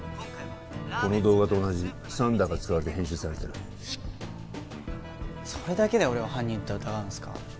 この動画と同じＴｈｕｎｄｅｒが使われて編集されてるそれだけで俺を犯人と疑うんすか？